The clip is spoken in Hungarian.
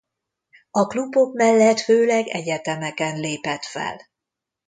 A klubok mellett főleg egyetemeken lépett fel.